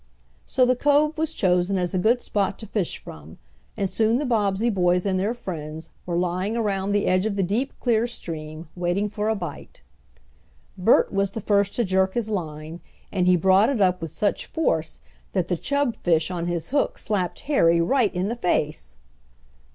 So the cove was chosen as a good spot to fish from, and soon the Bobbsey boys and their friends were lying around the edge of the deep clear stream, waiting for a bite. Bert was the first to jerk his line, and he brought it up with such force that the chubfish on his hook slapped Harry right in the face!